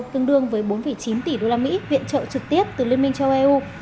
tương đương với bốn chín tỷ usd viện trợ trực tiếp từ liên minh châu âu